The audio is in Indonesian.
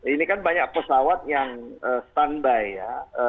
ini kan banyak pesawat yang standby ya